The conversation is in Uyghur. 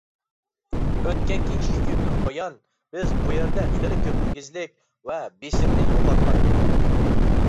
ئۆتكەنكى ئىككى كۈندىن بۇيان بىز بۇ يەردە خېلى كۆپ ئېگىزلىك ۋە بېسىمىنى يوقاتقان ئىدۇق.